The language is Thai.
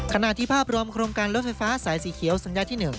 ภาพที่ภาพรวมโครงการรถไฟฟ้าสายสีเขียวสัญญาที่๑